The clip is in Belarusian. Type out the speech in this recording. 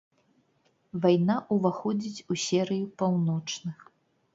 Вайна ўваходзіць у серыю паўночных.